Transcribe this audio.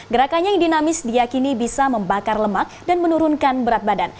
gerakannya yang dinamis diakini bisa membakar lemak dan menurunkan berat badan